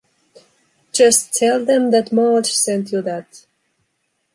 Just tell them that Marge sent you that.